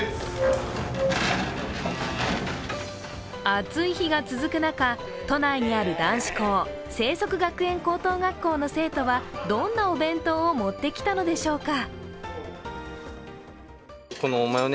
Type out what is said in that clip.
暑い日が続く中、都内にある男子校、正則学園高等学校の生徒はどんなお弁当を持ってきたのでしょうか。